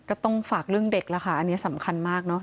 ก็ต้องฝากเรื่องเด็กแล้วค่ะอันนี้สำคัญมากเนอะ